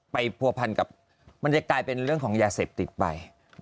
ที่ผัวพันกับมันจะเป็นเรื่องของเวรยาเสบติดไป